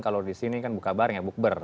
kalau di sini kan buka bareng ya bukber